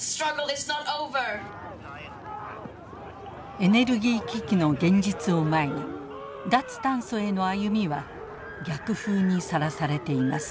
エネルギー危機の現実を前に脱炭素への歩みは逆風にさらされています。